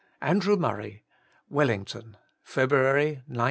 ANDREW MURRAY. Wellington, February, 1901.